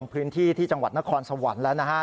พื้นที่ที่จังหวัดนครสวรรค์แล้วนะฮะ